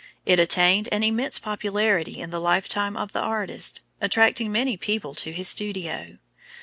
It attained an immense popularity in the lifetime of the artist, attracting many people to his studio.